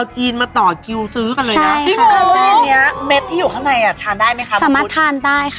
ขี้มันยอดฮิทสุดละคะ